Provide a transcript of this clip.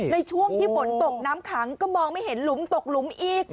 ในช่วงที่ฝนตกน้ำขังก็มองไม่เห็นหลุมตกหลุมอีก